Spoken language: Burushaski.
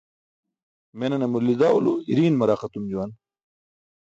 Menane mulidawlo iriiṅ maraq etum juwan.